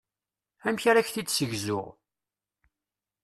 Amek ara k-t-id-ssegzuɣ?